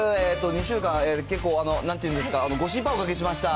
２週間、結構、なんていうんですか、ご心配おかけしました。